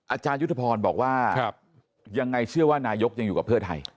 อาจารยุทธพรบอกว่ายังไงเชื่อว่านายกยังอยู่กับเพื่อไทย